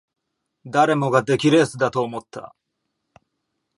誰もが出来レースだと思った